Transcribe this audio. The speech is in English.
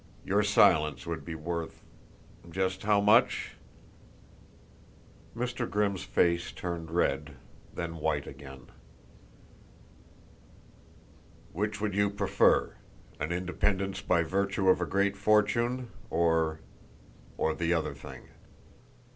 Your silence would be worth just how much?" Mr. Grimm's face turned red, then white again. "Which would you prefer? An independence by virtue of a great fortune, or or the other thing?"